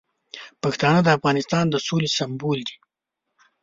پښتانه د افغانستان د سولې سمبول دي.